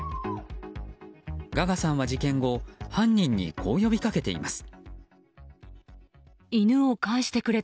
ガガさんは事件後犯人にこう呼び掛けています。